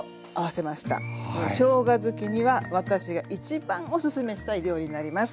しょうが好きには私が一番おすすめしたい料理になります。